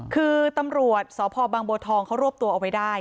คือตำรวจสพบังบัวทองเขารวบตัวเอาไว้ได้